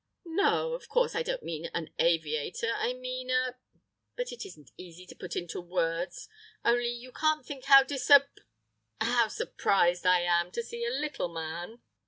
"No, of course I don't mean an aviator! I mean a—but it isn't easy to put it into words; only you can't think how disap—how surprised I am to see a little man....